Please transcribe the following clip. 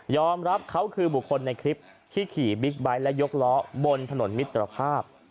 อมรับเขาคือบุคคลในคลิปที่ขี่บิ๊กไบท์และยกล้อบนถนนมิตรภาพ